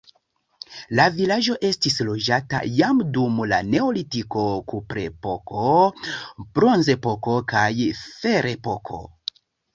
La vilaĝo estis loĝata jam dum la neolitiko, kuprepoko, bronzepoko kaj ferepoko.